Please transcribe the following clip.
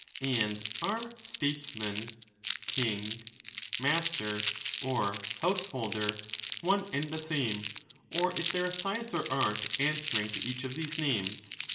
And are 'statesman,* *king,' * master,' or 'house holder,' one and the same; or is there a science or art answering to each of these names